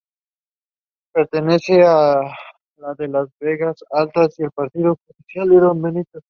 Pertenece a la de las Vegas Altas y al Partido judicial de Don Benito.